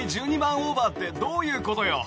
オーバーってどういうことよ！